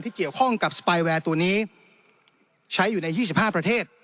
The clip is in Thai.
เกี่ยวข้องกับสปายแวร์ตัวนี้ใช้อยู่ใน๒๕ประเทศ